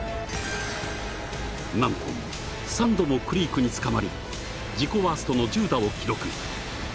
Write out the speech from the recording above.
なんと３度もクリークにつかまり、自己ワーストの１０打を記録。